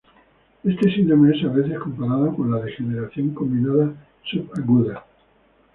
Este síndrome es a veces comparado con la "degeneración combinada subaguda".